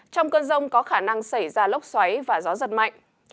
trong cơn rông có khả năng xảy ra lốc xoáy và gió giật mạnh